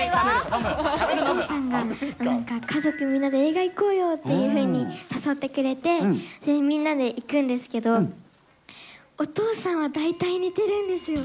お父さんがなんか、家族みんなで映画行こうよっていうふうに誘ってくれて、それでみんなで行くんですけど、お父さんは大体寝てるんですよ。